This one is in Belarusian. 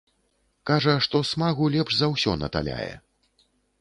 Кажа, што смагу лепш за ўсё наталяе.